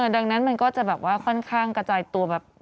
ดังนั้นมันก็จะแบบว่าค่อนข้างกระจายตัวแบบ